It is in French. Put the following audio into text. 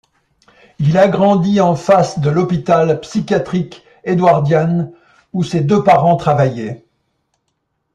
Il a grandi en face de l'hôpital psychiatrique Edwardian où ses deux parents travaillaient.